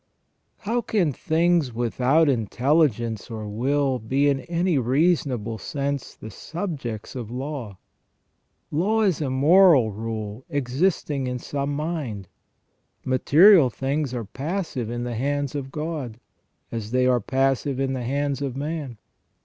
How can things without in telligence or will be in any reasonable sense the subjects of law ? Law is a moral rule existing in some mind. Material things are passive in the hands of God, as they are passive in the hands of man.